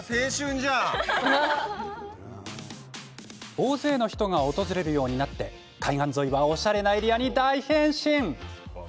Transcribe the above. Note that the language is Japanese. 大勢の人が訪れるようになって海岸沿いはおしゃれなエリアに大変身。